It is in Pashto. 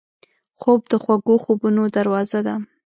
خوب د خوږو خوبونو دروازه ده